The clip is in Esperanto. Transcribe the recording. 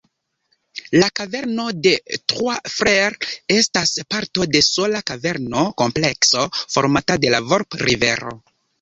La Kaverno de Trois-Freres estas parto de sola kaverno-komplekso formata de la Volp-rivero.